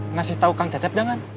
ngasih tahu kang cecep jangan